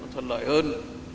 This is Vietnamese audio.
thuận lợi hơn